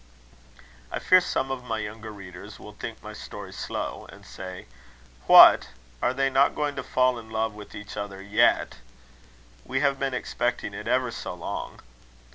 I fear some of my younger readers will think my story slow; and say: "What! are they not going to fall in love with each other yet? We have been expecting it ever so long."